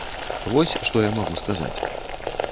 Вось што я магу сказаць.